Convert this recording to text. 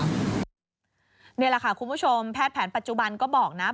นี่แหละค่ะคุณผู้ชมแพทย์แผนปัจจุบันก็บอกนะ